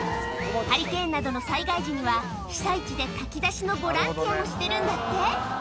ハリケーンなどの災害時には、被災地で炊き出しのボランティアもしてるんだって。